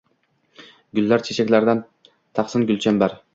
Gullar-chechaklardan taqsin gulchambar